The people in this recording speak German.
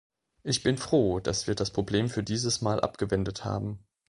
Ich bin froh, dass wir das Problem für dieses Mal abgewendet haben.